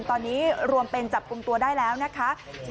ตอนนี้รวมเป็นจับกลุ่มตัวได้แล้วนะคะ